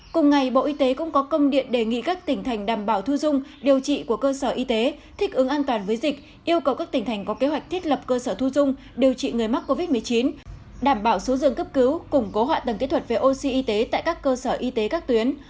cùng ngày bộ y tế cũng có công điện đề nghị các tỉnh thành đảm bảo thu dung điều trị của cơ sở y tế thích ứng an toàn với dịch yêu cầu các tỉnh thành có kế hoạch thiết lập cơ sở thu dung điều trị người mắc covid một mươi chín đảm bảo số dường cấp cứu củng cố hạ tầng kỹ thuật về oxy y tế tại các cơ sở y tế các tuyến